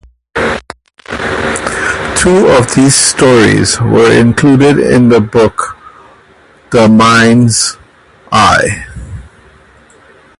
Two of these stories were included in the book The Mind's I.